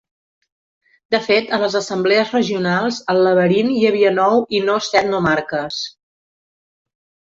De fet a les assemblees regionals al Laberint hi havia nou i no set nomarques.